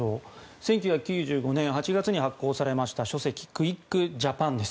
１９９５年、８月に発行されました書籍「クイック・ジャパン」です。